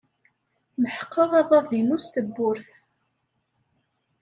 Meḥqeɣ aḍad-inu s tewwurt.